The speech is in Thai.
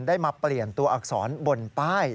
ได้มาเปลี่ยนตัวอักษรบนป้าย